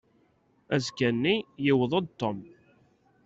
Azekka-nni, yewweḍ-d Tom.